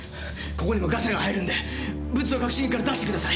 ここにもガサが入るんでブツを隠しに行くから出してください！